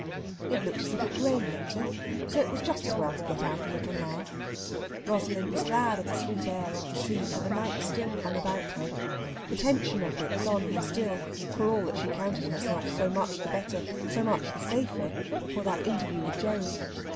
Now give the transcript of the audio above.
It looked as if it would rain later, so it was just as well to get out a little now. Rosalind was glad of the sweet air off the sea, for the night still hung about her. The tension of it was on her still, for all that she counted herself so much the better, so much the safer, for that interview with Gerry.